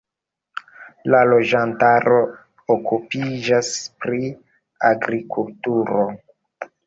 La loĝantaro okupiĝas pri agrikulturo.